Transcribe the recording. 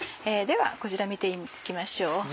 ではこちら見て行きましょう。